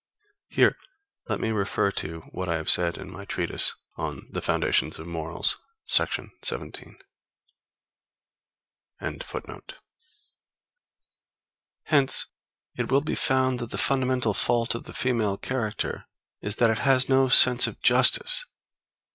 Here let me refer to what I have said in my treatise on The Foundation of Morals, § 17.] Hence, it will be found that the fundamental fault of the female character is that it has no sense of justice.